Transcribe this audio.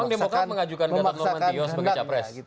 emang demokrat mengajukan gatat lohon mantiho sebagai capres